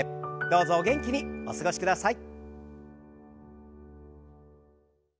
どうぞお元気にお過ごしください。